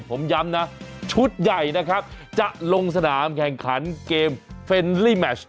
ผมย้ำนะชุดใหญ่นะครับจะลงสนามแข่งขันเกมเฟนลี่แมช